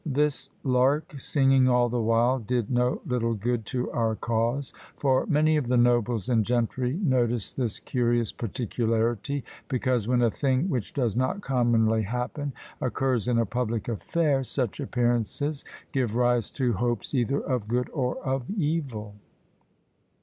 This lark singing all the while did no little good to our cause; for many of the nobles and gentry noticed this curious particularity, because when a thing which does not commonly happen occurs in a public affair, such appearances give rise to hopes either of good or of evil."